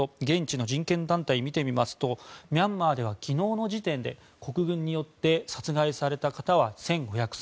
現地の人権団体を見てみますとミャンマーでは昨日の時点で国軍によって殺害された方は１５０３人。